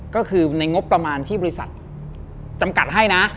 ก็คือในงบประมาณที่บริษัทจำกัดให้นะ